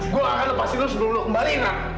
gue akan lepasin lo sebelum lo kembali nak